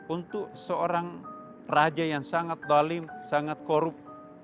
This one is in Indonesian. untuk seorang raja yang sangat dalim sangat korup